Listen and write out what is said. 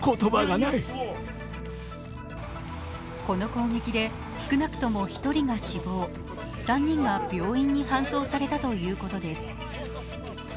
この攻撃で少なくとも１人が死亡、３人が病院に搬送されたということです。